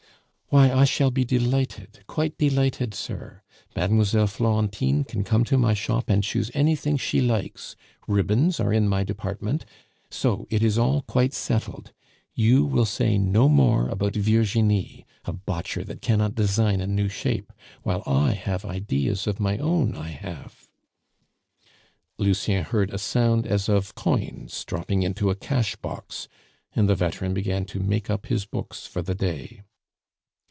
"Why, I shall be delighted, quite delighted, sir. Mlle. Florentine can come to my shop and choose anything she likes. Ribbons are in my department. So it is all quite settled. You will say no more about Virginie, a botcher that cannot design a new shape, while I have ideas of my own, I have." Lucien heard a sound as of coins dropping into a cashbox, and the veteran began to make up his books for the day.